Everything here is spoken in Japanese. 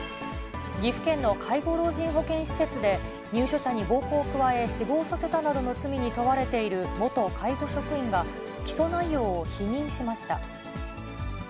岐阜県の介護老人保健施設で、入所者に暴行を加え、死亡させたなどの罪に問われている元介護職員が、起訴内容を否認しました。